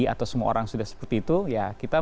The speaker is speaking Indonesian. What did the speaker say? atau semua orang sudah seperti itu ya kita